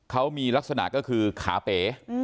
เขามีลักษณะก็คือขาเป๋